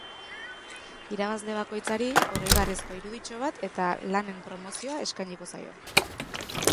Irabazle bakoitzari oroigarrizko iruditxo bat eta lanen promozioa eskainiko zaio.